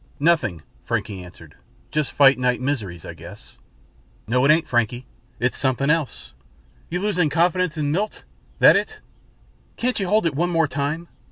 "Nothing," Frankie answered. "Just fight nite miseries, I guess." "No it ain't, Frankie. It's something else. You losin' confidence in Milt? That it? Can't you hold it one more time?